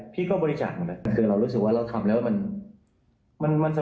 พี่ก็บริจาคมันแหละคือเรารู้สึกว่าเราทำแล้วมันสบายใจ